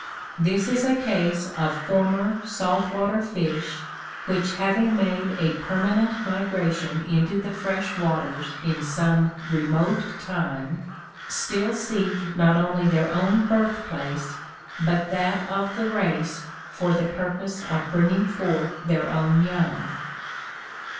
This is a case of former salt water fish which having made a permanent migration into the fresh waters in some remote time, still seek not only their own birthplace but that of the race for the purpose of bringing forth their own young.